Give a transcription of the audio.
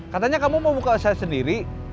katanya kamu mau buka saya sendiri